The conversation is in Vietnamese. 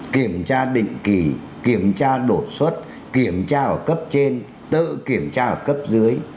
kiểm tra định kỳ kiểm tra đột xuất kiểm tra ở cấp trên tự kiểm tra ở cấp dưới